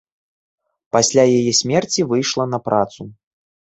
Пасля яе смерці выйшла на працу.